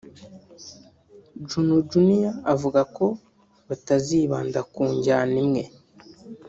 Juno Juniro avuga ko batazibanda ku njyana imwe